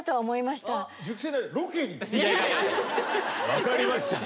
分かりました。